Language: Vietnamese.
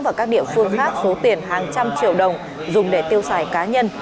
và các địa phương khác số tiền hàng trăm triệu đồng dùng để tiêu xài cá nhân